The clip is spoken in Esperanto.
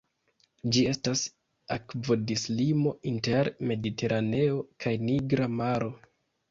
Ĝi estas akvodislimo inter Mediteraneo kaj Nigra Maro.